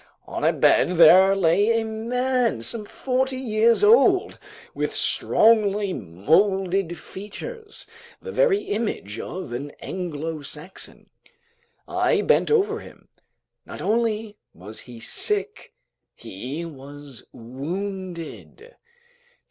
On a bed there lay a man some forty years old, with strongly molded features, the very image of an Anglo Saxon. I bent over him. Not only was he sick, he was wounded.